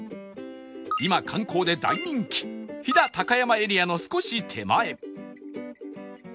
今観光で大人気飛騨高山エリアの少し手前